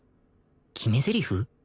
決めゼリフ？